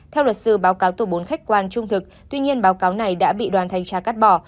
theo luật sư báo cáo tổ bốn khách quan trung thực tuy nhiên báo cáo này đã bị đoàn thanh tra cắt bỏ